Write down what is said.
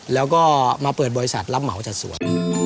แล้วก็มาเปิดบริษัทรับเหมาจัดสวน